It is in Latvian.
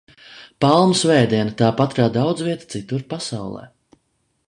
Palmu svētdiena, tāpat kā daudzviet citur pasaulē.